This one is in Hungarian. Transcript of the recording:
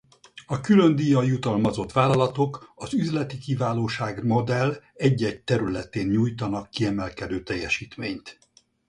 A különdíjjal jutalmazott vállalatok az üzleti kiválóság modell egy-egy területén nyújtanak kiemelkedő teljesítményt.